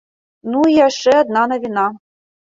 Ну і яшчэ адна навіна.